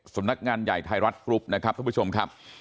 สนักงานใหญ่ไทยรัฐครุฟนะครับทุกผู้ชมครับ